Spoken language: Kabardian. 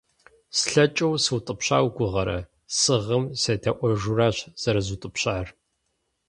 Слъэкӏыу сыутӏыпща уи гугъэрэ? Сыгъым седаӏуэжурэщ зэрызутӏыпщар.